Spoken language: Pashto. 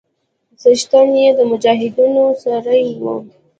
څښتن يې د مجاهيدنو سړى و.